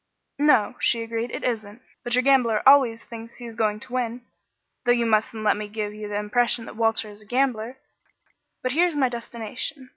"No," she agreed, "it isn't. But your gambler always thinks he is going to win though you mustn't let me give you the impression that Walter is a gambler. But here is my destination.